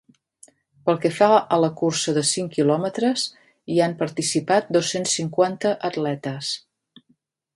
Pel que fa a la cursa de cinc quilòmetres, hi ha participat dos-cents cinquanta atletes.